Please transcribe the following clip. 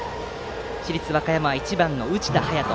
市立和歌山は１番の宇治田隼士。